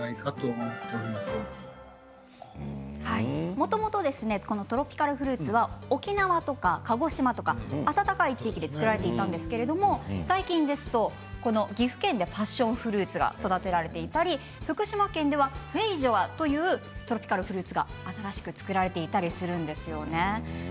もともとトロピカルフルーツは沖縄とか鹿児島とか暖かい地域で作られていたんですけれども最近ですと岐阜県でパッションフルーツが育てられていたり福島県ではフェイジョアというトロピカルフルーツが新しく作られていたりするんですよね。